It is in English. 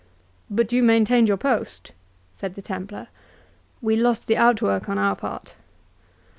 "But you maintained your post?" said the Templar. "We lost the outwork on our part."